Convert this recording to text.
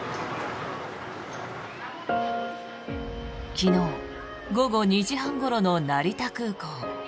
昨日、午後２時半ごろの成田空港。